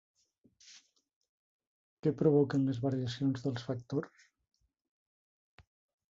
Què provoquen les variacions dels factors?